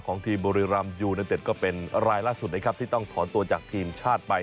ของทีมบริรามฯอยู่ในเต็ดก็เป็นรายล่าสุดที่ต้องถอนตัวจากทีมชาติไป